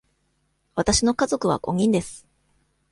わたしの家族は五人です。